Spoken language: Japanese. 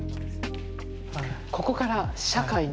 ここから社会に。